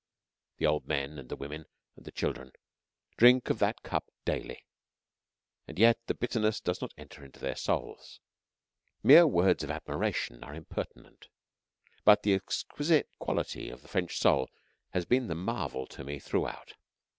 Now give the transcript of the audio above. The old men and the women and the children drink of that cup daily, and yet the bitterness does not enter into their souls. Mere words of admiration are impertinent, but the exquisite quality of the French soul has been the marvel to me throughout.